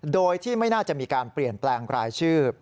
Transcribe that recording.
โดยที่ไม่น่าจะมีการเปลี่ยนแปลงรายชื่อ